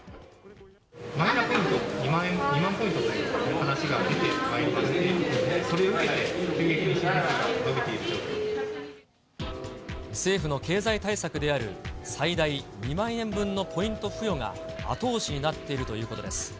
マイナポイント２万ポイントという話が出てまいりまして、それを受けて、急激に申請数が伸政府の経済対策である、最大２万円分のポイント付与が後押しになっているということです。